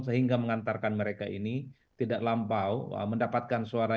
sehingga mengantarkan mereka ini tidak lampau mendapatkan suara